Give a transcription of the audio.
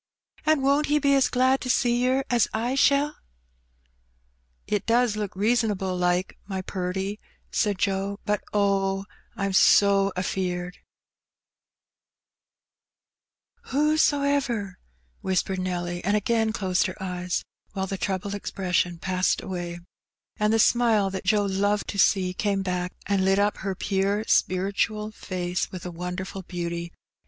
An' won't He be as glad to see yer as I shaU?" " It does look reasonable like, my purty," said Joe ; "but, oh, Fm so afeard/' "' Who so ever/ " whispered Nelly, and again closed her eyes, while the troubled expression passed away, and the smile that Joe loved to see came back and lit up her pure spirituelle face with a wonderful beauty.